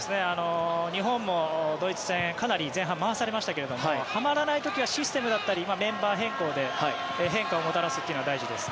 日本もドイツ戦かなり前半、回されましたけどはまらない時はシステムだったりメンバー変更で変化をもたらすのが大事です。